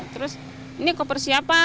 terus ini koper siapa